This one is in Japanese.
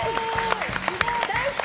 大好き！